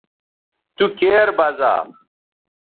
تو کیر بزا